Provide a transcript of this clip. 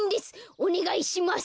おねがいします。